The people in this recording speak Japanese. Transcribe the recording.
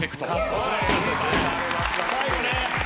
最後ね！